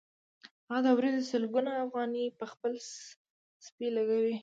هغه د ورځې سلګونه افغانۍ په خپل سپي لګوي